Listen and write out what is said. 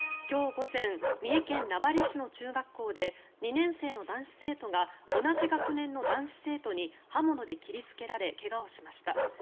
今日午前三重県名張市の中学校で２年生の男子生徒が同じ学年の男子生徒に刃物で切りつけられ怪我をしました。